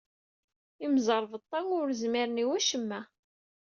Imẓerbeḍḍa ur zmiren i wacemma.